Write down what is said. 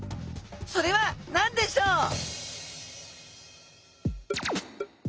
それは何でしょう？